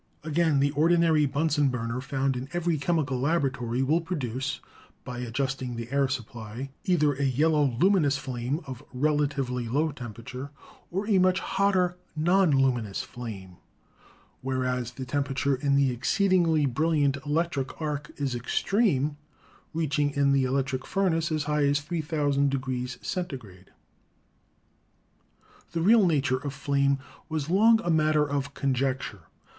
Again, the ordinary Bunsen burner found in every chemical labo ratory will produce, by adjusting the air supply, either a yellow, luminous flame of relatively low temperature, or a 106 PHYSICS much hotter, non luminous flame, whereas the temperature in the exceedingly brilliant electric arc is extreme, reach ing in the electric furnace as high as 3,000 degrees Cen tigrade. The real nature of flame was long a matter of conjec ture.